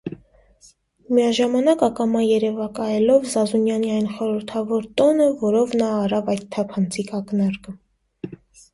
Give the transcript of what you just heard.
միաժամանակ ակամա երևակայելով Զազունյանի այն խորհրդավոր տոնը, որով նա արավ այդ թափանցիկ ակնարկը: